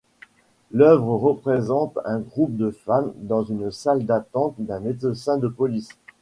L'œuvre représente un groupe de femmes dans une salle d'attente d'un médecin de police.